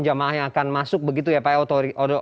jamaah yang akan masuk begitu ya pak